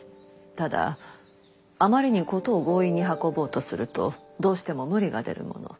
ただあまりに事を強引に運ぼうとするとどうしても無理が出るもの。